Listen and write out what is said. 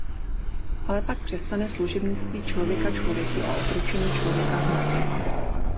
Ale pak přestane služebnictví člověka člověku a otročení člověka hmotě.